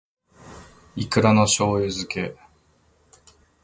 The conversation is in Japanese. いくらの醬油漬け